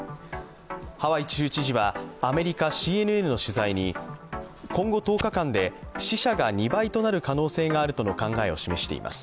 ハワイ州知事はアメリカＣＮＮの取材に今後１０日間で死者が２倍となる可能性があるとの考えを示しています。